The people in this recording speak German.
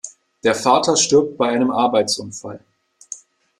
Der Vater stirbt bei einem Arbeitsunfall.